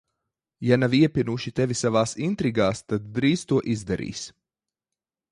Ja nav iepinuši tevi savās intrigās, tad drīz to izdarīs.